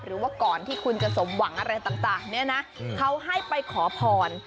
หรือว่าก่อนที่คุณจะสมหวังอะไรต่างเนี่ยนะเขาให้ไปขอพร